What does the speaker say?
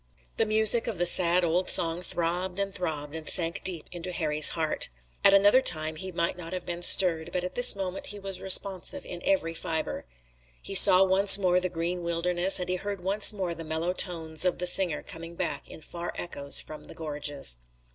The music of the sad old song throbbed and throbbed, and sank deep into Harry's heart. At another time he might not have been stirred, but at this moment he was responsive in every fiber. He saw once more the green wilderness, and he heard once more the mellow tones of the singer coming back in far echoes from the gorges.